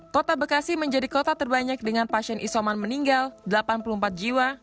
kota bekasi menjadi kota terbanyak dengan pasien isoman meninggal delapan puluh empat jiwa